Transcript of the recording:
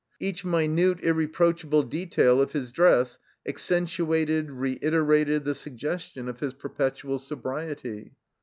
Each minute irre proachable detail of his dress accentuated, reiterated, the suggestion of his perpetual sobriety.